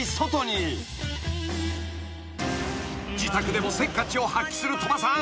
［自宅でもせっかちを発揮する鳥羽さん］